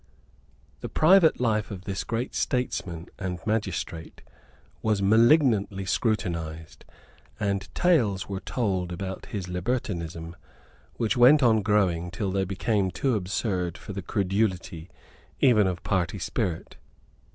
The private life of this great statesman and magistrate was malignantly scrutinised; and tales were told about his libertinism which went on growing till they became too absurd for the credulity even of party spirit.